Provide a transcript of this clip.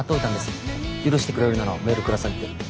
「許してくれるならメールください」って。